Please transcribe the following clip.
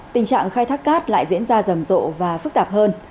tình trạng khai thác cát lại diễn ra rầm rộ và phức tạp hơn